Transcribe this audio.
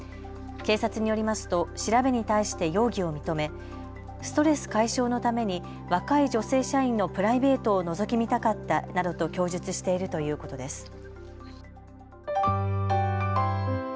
警察によりますと調べに対して容疑を認めストレス解消のために若い女性社員のプライベートをのぞき見たかったなどと供述しているということです。